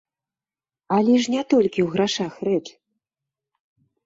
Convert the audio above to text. Але ж не толькі ў грашах рэч!